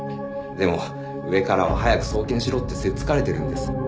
でも上からは早く送検しろってせっつかれてるんです。